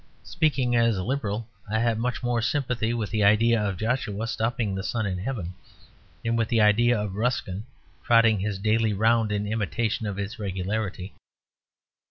Speaking as a Liberal, I have much more sympathy with the idea of Joshua stopping the sun in heaven than with the idea of Ruskin trotting his daily round in imitation of its regularity.